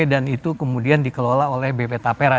dan itu kemudian dikelola oleh bp tapra